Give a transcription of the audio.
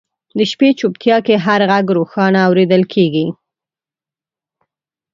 د شپې چوپتیا کې هر ږغ روښانه اورېدل کېږي.